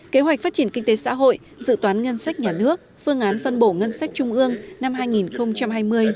kế hoạch phát triển kinh tế xã hội dự toán ngân sách nhà nước phương án phân bổ ngân sách trung ương năm hai nghìn hai mươi